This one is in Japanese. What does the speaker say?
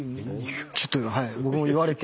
ちょっと僕も言われて。